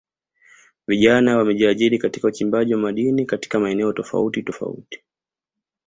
Vijana wamejiajiri katika uchimbaji wa madini katika maeneo tofauti tofauti